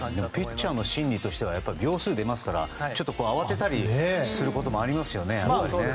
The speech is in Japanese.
ピッチャーの心理としては秒数が出ますからちょっと慌てたりすることもありますよね。